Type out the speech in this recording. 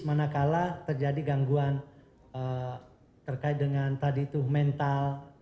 manakala terjadi gangguan terkait dengan tadi itu mental